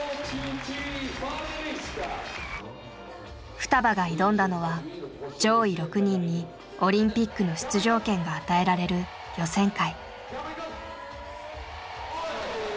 ふたばが挑んだのは上位６人にオリンピックの出場権が与えられる予選会。